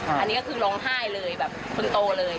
อันนี้ก็คือร้องไห้เลยแบบคนโตเลย